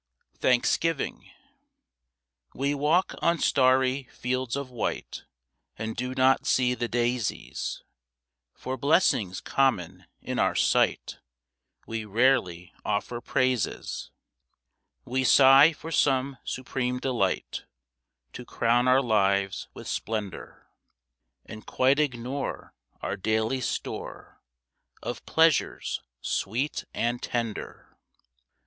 THANKSGIVING We walk on starry fields of white And do not see the daisies, For blessings common in our sight We rarely offer praises. We sigh for some supreme delight To crown our lives with splendour, And quite ignore our daily store Of pleasures sweet and tender.